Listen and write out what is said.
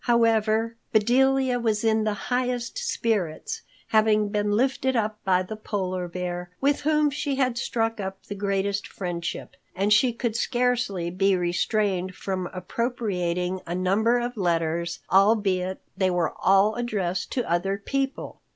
However, Bedelia was in the highest spirits, having been lifted up by the Polar Bear, with whom she had struck up the greatest friendship, and she could scarcely be restrained from appropriating a number of letters, albeit they were all addressed to other people.